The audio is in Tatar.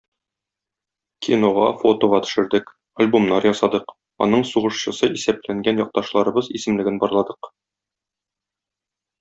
Кинога, фотога төшердек, альбомнар ясадык, аның сугышчысы исәпләнгән якташларыбыз исемлеген барладык.